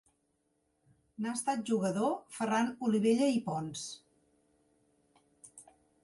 N'ha estat jugador Ferran Olivella i Pons.